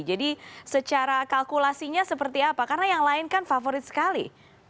jadi secara kalkulasinya seperti apa karena yang lain kan favorit sekali